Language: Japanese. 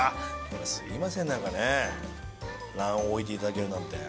すいませんなんかね卵黄を置いて頂けるなんて。